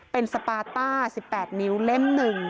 เป็นสปาต้า๑๘นิ้วเล่ม๑